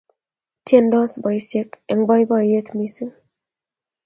Tiendos boisiek eng boiboiyet missing